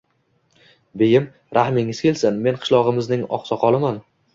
Beyim, rahmingiz kelsin, men qishlog`imizning oqsoqoliman